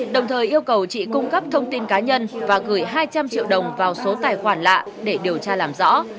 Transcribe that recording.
đồng thời yêu cầu chị cung cấp thông tin cá nhân và gửi hai trăm linh triệu đồng vào số tài khoản lạ để điều tra làm rõ